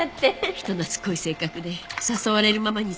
人懐っこい性格で誘われるままに付き合ってた。